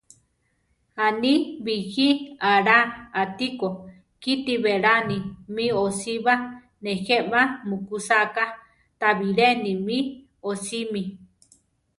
A ni bijí alá atíko, kiti beláni mí osíba; nejé ma mukúsa ka, tabilé ni mi osími.